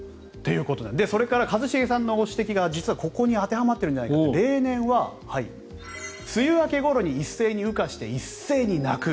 それから一茂さんのご指摘が実はここに当てはまっているんじゃないかと例年は梅雨明けごろに一斉に羽化して一斉に鳴く。